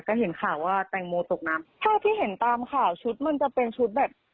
ก็เห็นข่าวว่าแตงโมตกน้ำเท่าที่เห็นตามข่าวชุดมันจะเป็นชุดแบบ